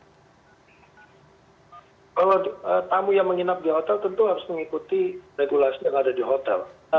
kalau tamu yang menginap di hotel tentu harus mengikuti regulasi yang ada di hotel